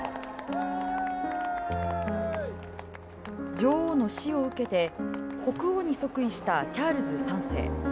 女王の死を受けて国王に即位したチャールズ３世。